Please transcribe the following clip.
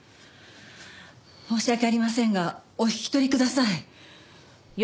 申し訳ありませんがお引き取りください。